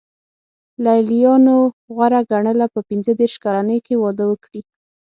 لېلیانو غوره ګڼله په پنځه دېرش کلنۍ کې واده وکړي.